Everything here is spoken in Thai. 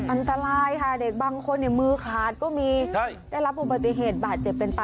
อันตรายค่ะเด็กบางคนเนี่ยมือคาดก็มีใช่ได้รับอุปโปรติเหตุบาดเจ็บเกินไป